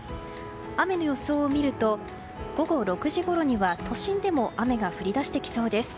雨の予想を見ると午後６時ごろには都心でも雨が降り出してきそうです。